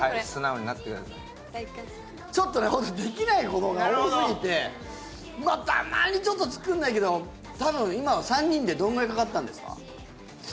ちょっとねホントできないことが多すぎてたまにちょっと作んないけど多分今は３人でどんぐらいかかったんですか